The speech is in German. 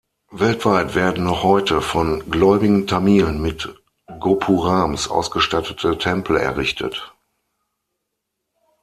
Weltweit werden noch heute von gläubigen Tamilen mit Gopurams ausgestattete Tempel errichtet.